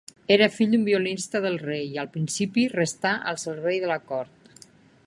Era fill d'un violinista del rei, i al principi restà al servei de la cort.